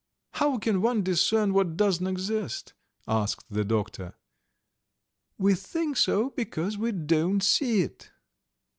"How can one discern what doesn't exist?" asked the doctor. "We think so because we don't see it."